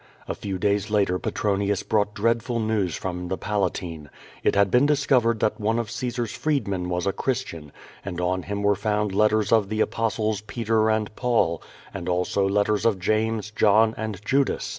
A few days later Petronius brought dreadful news from the Palatine. It had been discovered that one of Caesaifs freed men was a Christian, and on him were found Icttofs of the Apostles Peter and Paul, and also letters of James, Jthn, and Judas.